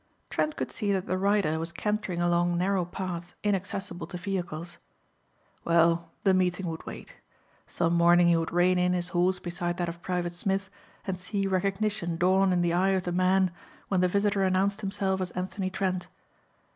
Trent could see that the rider was cantering along narrow paths inaccessible to vehicles. Well, the meeting would wait. Some morning he would rein in his horse beside that of Private Smith and see recognition dawn in the eye of the man when the visitor announced himself as Anthony Trent.